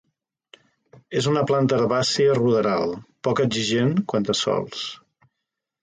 És una planta herbàcia ruderal, poc exigent quant a sòls.